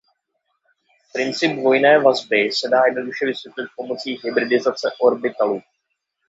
Princip dvojné vazby se dá jednoduše vysvětlit pomocí hybridizace orbitalů.